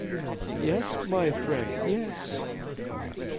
"Yes, my friend, yes."